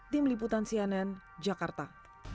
tim liputan cnn jakarta